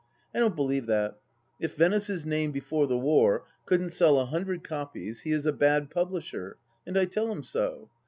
I don't believe that. If Venice's name, before the war, couldn't sell a hundred copies, he is a bad publisher, and I tell him so.